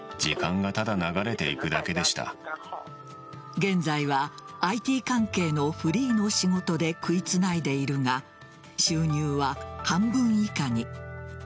現在はＩＴ関係のフリーの仕事で食いつないでいるが収入は半分以下に。